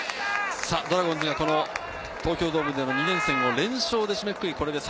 ドラゴンズが東京ドームでの２連戦を連勝で締めくくりました。